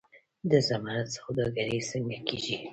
د زمرد سوداګري څنګه کیږي؟